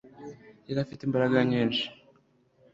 yari ifite imbaraga nyinshi